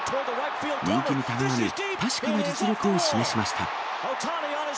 人気にたがわぬ確かな実力を示しました。